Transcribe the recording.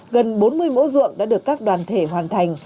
gần bốn mươi mẫu ruộng đã được các đoàn thể hoàn thành